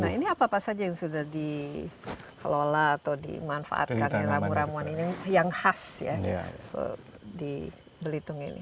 nah ini apa apa saja yang sudah dikelola atau dimanfaatkan rambu rambuan ini yang khas di belitung ini